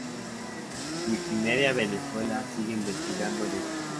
Wikimedia Venezuela sigue investigando el hecho.